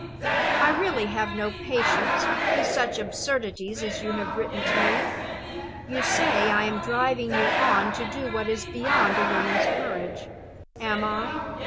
I really have no patience with such absurdities as you have written to me. You say I am driving you on to do what is beyond a woman's courage. Am I?